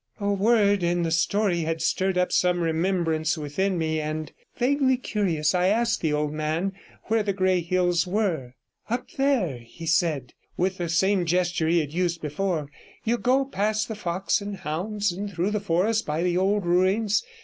60 A word in the story had stirred up some remembrance within me, and, vaguely curious, I asked the old man where the Grey Hills were. 'Up there,' he said, with the same gesture he had used before; 'you go past the Fox and Hounds, and through the forest, by the old ruins.